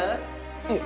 いえ。